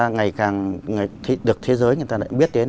ngày càng được thế giới người ta lại biết đến